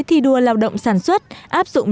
thi đua lao động sản xuất áp dụng